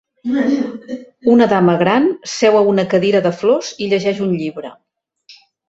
Una dama gran seu a una cadira de flors i llegeix un llibre